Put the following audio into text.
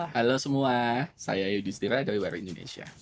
halo semua saya yudhistira dari warga indonesia